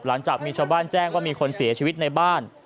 หลังจากมีชาวบ้านแจ้งว่ามีคนเสียชีวิตในบ้าน